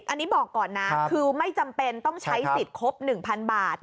อันนี้บอกก่อนนะคือไม่จำเป็นต้องใช้สิทธิ์ครบ๑๐๐๐บาท